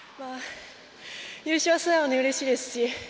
優勝は素直にうれしいですし